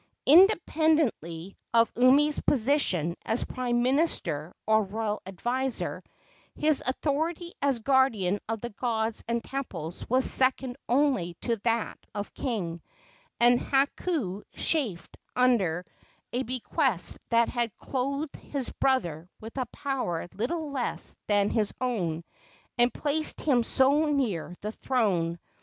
Independently of Umi's position as prime minister or royal adviser, his authority as guardian of the gods and temples was second only to that of the king, and Hakau chafed under a bequest that had clothed his brother with a power little less than his own and placed him so near the throne.